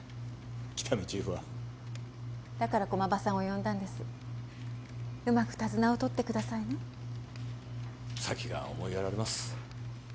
喜多見チーフはだから駒場さんを呼んだんですうまく手綱を取ってくださいね先が思いやられます